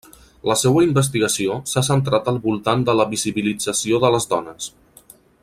La seua investigació s'ha centrat al voltant de la visibilització de les dones.